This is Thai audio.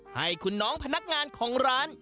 ให้คุณน้องพนักงานของร้าน